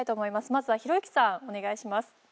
まずはひろゆきさんお願いします。